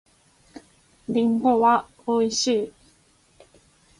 りんごは美味しい。